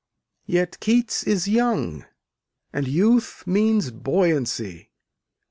] Yet Keats is young, and youth means buoyancy.